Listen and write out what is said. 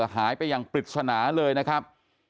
หายไปอย่างปริศนาเลยนะครับ